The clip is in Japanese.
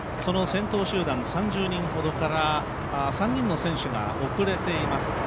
先頭集団３０人ほどから３人の選手が後れています。